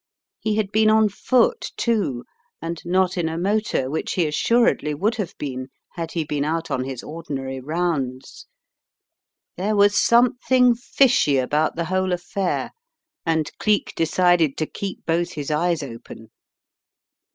He had been on foot, too, and not in a motor which he assuredly would have been, had he been out on his ordinary rounds. There was something fishy about the whole affair and Cleek decided to keep both his eyes open.